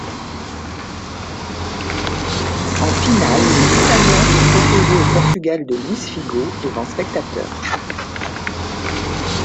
En finale, les Italiens sont opposés au Portugal de Luís Figo devant spectateurs.